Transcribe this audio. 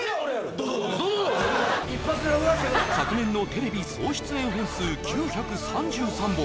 どうぞどうぞ昨年のテレビ総出演本数９３３本